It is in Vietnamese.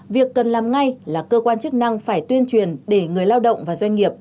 việc cần làm ngay là cơ quan chức năng phải tuyên truyền để người lao động và doanh nghiệp